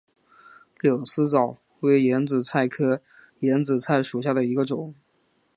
柳丝藻为眼子菜科眼子菜属下的一个种。